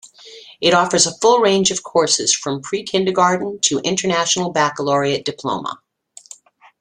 It offers a full range of courses from pre-kindergarten to International Baccalaureate Diploma.